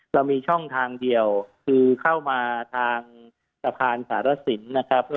เรามีช่องทางเดียวคือเข้ามาทางสะพานสารสินนะครับ